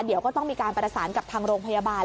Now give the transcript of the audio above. เดี๋ยวก็ต้องมีการประสานกับทางโรงพยาบาล